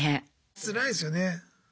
つらいですよね。